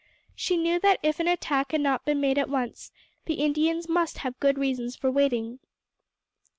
She knew that if an attack had not been made at once, the Indians must have good reasons for waiting.